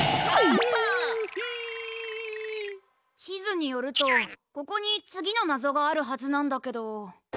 地図によるとここに次の謎があるはずなんだけど。